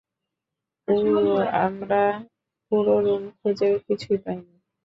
উ আমরা পুরো রুম খুঁজে কিছুই পাইনি।